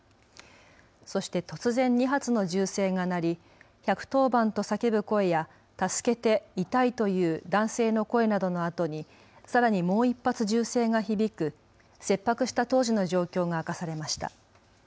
そして突然、２発の銃声が鳴り、１１０番と叫ぶ声や助けて、痛いという男性の声などのあとにさらにもう１発銃声が響く切迫した当時の状況が明かされました。